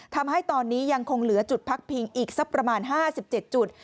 ทำให้ตอนนี้ยังคงเหลือจุดพักพิงอีกสักประมาณ๕๗จุด